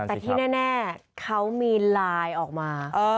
แต่ที่แน่เขามีไลน์ออกมา